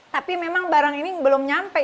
tapi memang barang ini belum nyampe